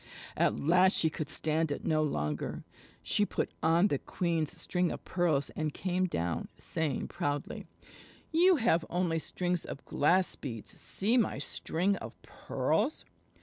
At last she could stand it no longer. She put on the queen's string of pearls and came down, saying proudly: "You have only strings of glass beads. See my string of pearls!"